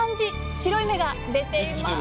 白い「芽」が出ています！